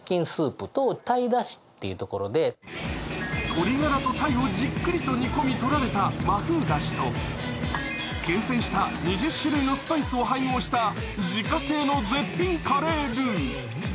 鶏がらと、たいをじっくり煮込みとられた和風だしと厳選した２０種類のスパイスを配合した自家製の絶品カレールー。